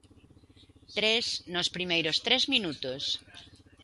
Tres nos primeiros tres minutos.